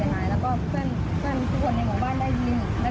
อันนี้ก็ต้องผู้ตับตรงว่าหนูผมไม่เคยรู้จักน้องมาเลย